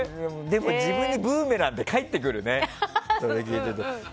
でも、自分にブーメランで返ってくるね。